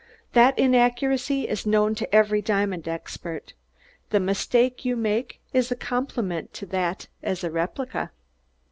That inaccuracy is known to every diamond expert the mistake you make is a compliment to that as a replica."